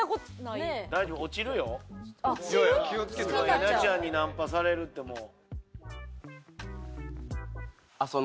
稲ちゃんにナンパされるってもう。